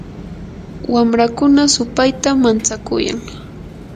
wamrakuna supaytam mantsakuyan.